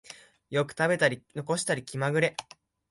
よく食べたり残したり気まぐれ